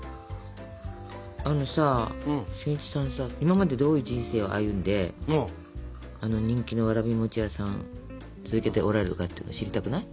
あのさ俊一さんさ今までどういう人生を歩んであの人気のわらび餅屋さん続けておられるかっていうの知りたくない？